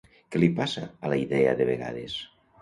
Què li passa a la idea de vegades?